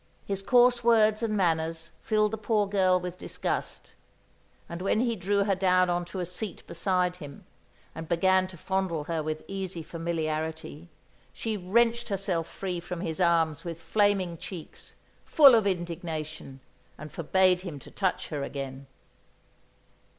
His coarse words and manners filled the poor girl with disgust; and when he drew her down on to a seat beside him and began to fondle her with easy familiarity, she wrenched herself free from his arms with flaming cheeks, full of indignation, and forbade him to touch her again.